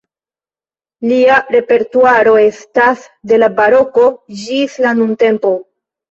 Lia repertuaro estas de la baroko ĝis la nuntempo.